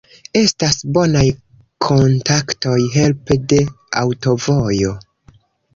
Estas bonaj kontaktoj helpe de aŭtovojo.